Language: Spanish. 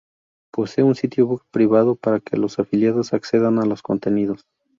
Posee un sitio web privado para que los afiliados accedan a los contenidos.